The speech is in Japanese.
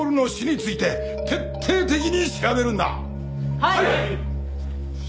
はい！